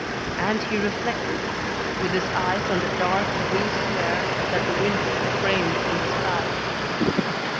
And he reflected, with his eyes on the dark blue square that the window framed in the sky.